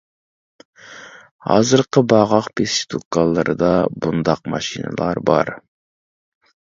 ھازىرقى باغاق بېسىش دۇكانلىرىدا بۇنداق ماشىنىلار بار.